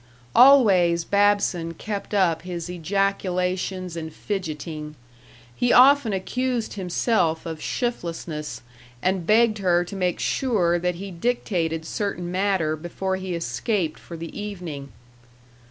Always Babson kept up his ejaculations and fidgeting. He often accused himself of shiftlessness and begged her to make sure that he dictated certain matter before he escaped for the evening.